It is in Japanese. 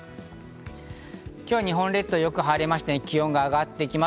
今日、日本列島はよく晴れまして気温が上がってきます。